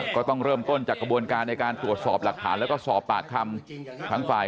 ก็ต้องเริ่มต้นจากกระบวนการในการตรวจสอบหลักฐานแล้วก็สอบปากคำทั้งฝ่าย